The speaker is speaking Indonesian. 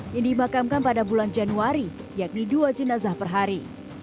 yang dimakamkan pada bulan januari yakni dua jenazah per hari